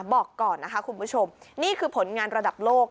บอกก่อนนะคะคุณผู้ชมนี่คือผลงานระดับโลก